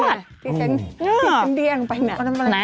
ติดเช็นเดี่ยงไปหนึ่ง